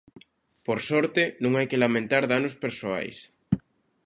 Por sorte, non hai que lamentar danos persoais.